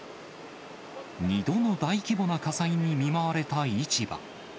２度の大規模な火災に見舞われた市場。